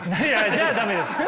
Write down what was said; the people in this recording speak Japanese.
じゃあダメです。